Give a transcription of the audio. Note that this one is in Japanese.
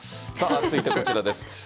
続いて、こちらです。